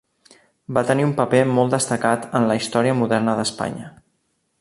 Van tenir un paper molt destacat en la història moderna d'Espanya.